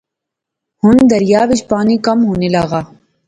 ہن دریا وچ پانی کم ہانے لاغآ